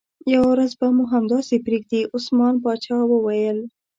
یوه ورځ به مو همداسې پرېږدي، عثمان باچا وویل.